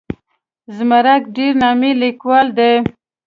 زمرک ډېر نامي لیکوال دی.